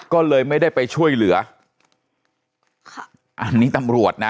ก็เลยไม่ได้ไปช่วยเหลือค่ะอันนี้ตำรวจนะ